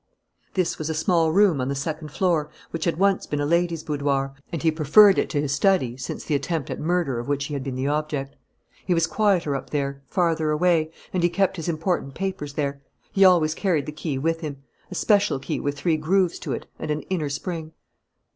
This was a small room on the second floor which had once been a lady's boudoir, and he preferred it to his study since the attempt at murder of which he had been the object. He was quieter up there, farther away; and he kept his important papers there. He always carried the key with him: a special key with three grooves to it and an inner spring.